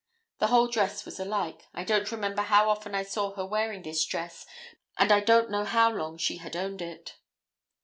The whole dress was alike; I don't remember how often I saw her wearing this dress, and I don't know how long she had owned it."